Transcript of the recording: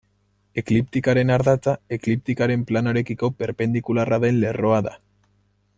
Ekliptikaren ardatza, ekliptikaren planoarekiko perpendikularra den lerroa da.